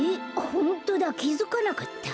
ホントだきづかなかった。